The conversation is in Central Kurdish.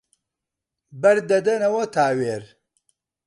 بەر دەدەنەوە تاوێر